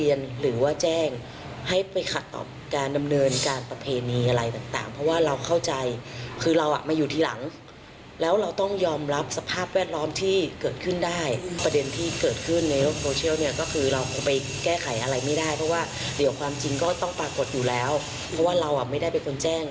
อยู่แล้วเพราะว่าเราไม่ได้เป็นคนแจ้ง